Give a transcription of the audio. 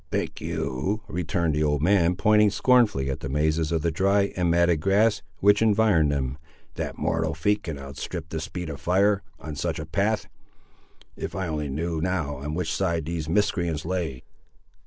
"Think you," returned the old man, pointing scornfully at the mazes of the dry and matted grass which environed them, "that mortal feet can outstrip the speed of fire, on such a path! If I only knew now on which side these miscreants lay!"